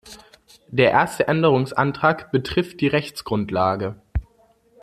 Der erste Änderungsantrag betrifft die Rechtsgrundlage.